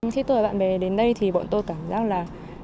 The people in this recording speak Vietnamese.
thế tôi và bạn bè đến đây thì bọn tôi cảm giác là